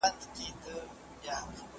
شمع ده چي مړه سي رڼا نه لري .